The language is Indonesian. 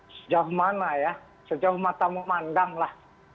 sejauh mana ya sejauh mata memandang lah